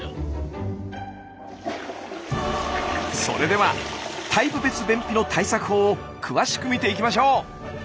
それではタイプ別便秘の対策法を詳しく見ていきましょう！